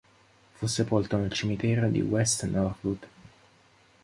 Fu sepolto nel cimitero di West Norwood.